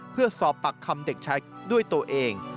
เพื่อสอบปากคำเด็กชายด้วยตัวเอง